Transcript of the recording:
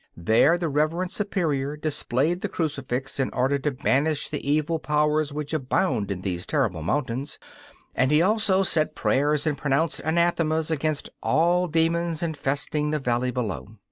There the reverend Superior displayed the crucifix in order to banish the evil powers which abound in these terrible mountains; and he also said prayers and pronounced anathemas against all demons infesting the valley below.